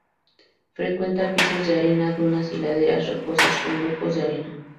Frecuenta pisos de arena, dunas, y laderas rocosas con huecos de arena.